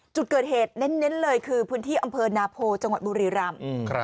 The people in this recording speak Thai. จุดเกิดเหตุเน้นเลยคือพื้นที่อำเภอนาโพจังหวัดบุรีรำ